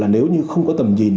nếu như không có tầm nhìn